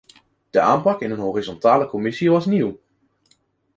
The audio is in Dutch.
De aanpak in een horizontale commissie was nieuw.